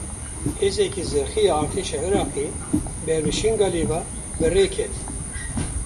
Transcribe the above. Hêzeke zirxî ya Artêşa Iraqê ber bi Şingalê ve bi rê ket.